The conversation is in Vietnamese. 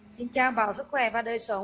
xin chào bảo sức khỏe và đời sống